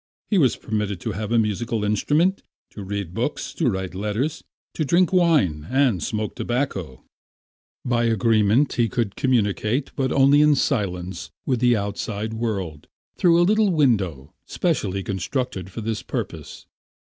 He was permitted to have a musical instrument, to read books, to write letters, to drink wine and smoke tobacco. By the agreement he could communicate, but only in silence, with the outside world through a little window specially constructed for this purpose.